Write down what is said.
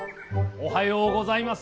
おはようございます。